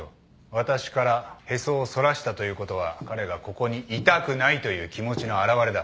私からへそをそらしたということは彼がここにいたくないという気持ちの表れだ。